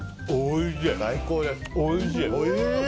おいしい！